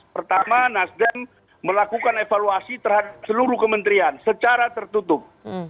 pertama nasdem melakukan evaluasi terhadap seluruh kementerian secara tertutup